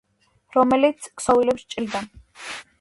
რომელიც ქსოვილებს ჭრიდა